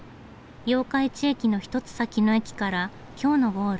八日市駅の一つ先の駅から今日のゴール